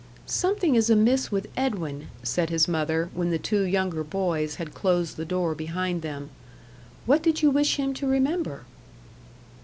"Something is amiss with Edwin," said his mother, when the two younger boys had closed the door behind them. "What did you wish him to remember?"